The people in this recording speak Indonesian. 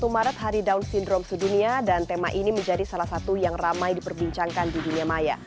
satu maret hari down syndrome sedunia dan tema ini menjadi salah satu yang ramai diperbincangkan di dunia maya